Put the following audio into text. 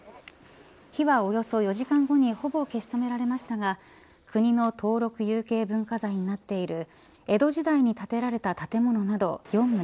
火は、およそ４時間後にほぼ消し止められましたが国の登録有形文化財になっている江戸時代に建てられた建物など４棟